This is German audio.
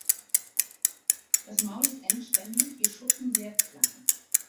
Das Maul ist endständig, die Schuppen sehr klein.